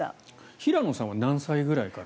平野さんは何歳ぐらいから？